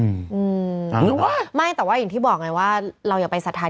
อืมกูไหว้ไม่แต่ว่าอย่างที่บอกไงว่าเราอย่าไปสัดฐาน